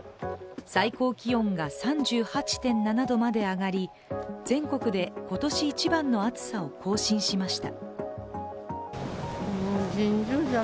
最高気温が３８．７度まで上がり全国で今年一番の暑さを更新しました。